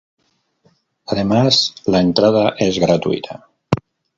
Además, la entrada es gratuita.